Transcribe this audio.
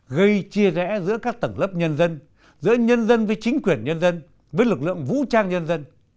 gây chia rẽ giữa các tầng lớp nhân dân giữa nhân dân với chính quyền nhân dân với lực lượng vũ trang nhân dân